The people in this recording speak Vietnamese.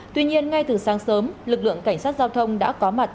tuy nhiên ngay từ sáng sớm lực lượng cảnh sát giao thông đã có mặt